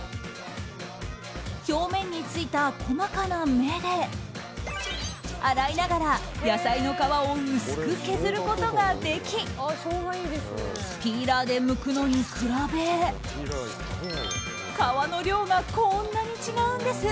表面についた細かな目で洗いながら野菜の皮を薄く削ることができピーラーでむくのに比べ皮の量がこんなに違うんです。